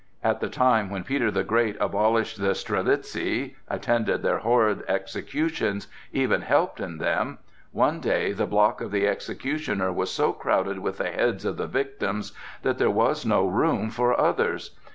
At the time when Peter the Great abolished the strelitzi, attended their horrid executions, even helped in them, one day the block of the executioner was so crowded with the heads of the victims that there was no room for others.